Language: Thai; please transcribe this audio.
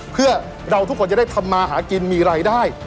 เพื่อเราทุกคนจะได้ทำมาหากินมีรายได้